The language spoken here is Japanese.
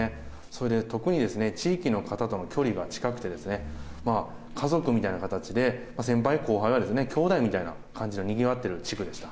それで特に地域の方との距離が近くて、家族みたいな形で、先輩後輩がきょうだいみたいな感じで、にぎわってる地区でした。